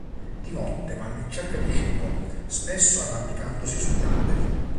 Di notte, vanno in cerca di cibo, spesso arrampicandosi sugli alberi.